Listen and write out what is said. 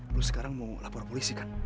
terus sekarang mau lapor polisi kan